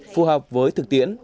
phù hợp với thực tiễn